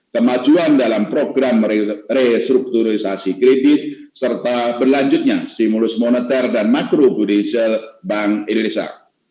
kemajuan dalam program restrukturisasi kredit serta berlanjutnya stimulus moneter dan makro budisel bank indonesia